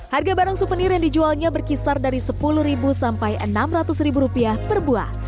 harga barang supenir yang dijualnya berkisar dari sepuluh sampai enam ratus rupiah per buah